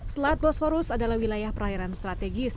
selat bosforus adalah wilayah perairan strategis